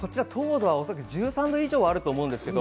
おそらく１３度以上あると思います。